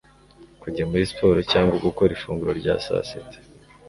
kujya muri siporo cyangwa gukora ifunguro rya sasita